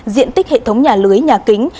diện tích hệ thống nhà lưới nhà kính